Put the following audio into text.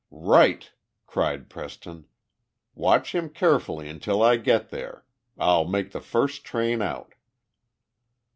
"Right!" cried Preston. "Watch him carefully until I get there. I'll make the first train out."